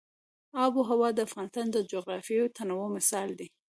آب وهوا د افغانستان د جغرافیوي تنوع مثال دی.